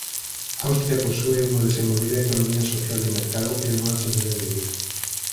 Austria posúe unha desenvolvida economía social de mercado e un alto nivel de vida.